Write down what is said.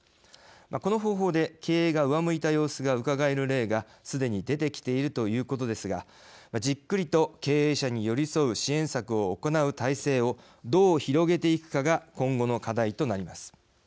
この方法で経営が上向いた様子がうかがえる例がすでに出てきているということですがじっくりと経営者に寄り添う支援策を行う体制をどう広げていくかが今後の課題となります。